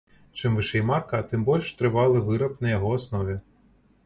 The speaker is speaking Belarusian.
Чым вышэй марка, тым больш трывалы выраб на яго аснове.